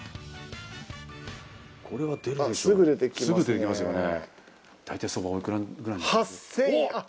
すぐ出てきますね。